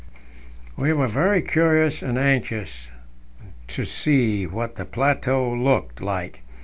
We were very curious and anxious to see what the plateau looked. like.